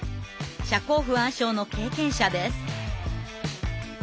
社交不安症の経験者です。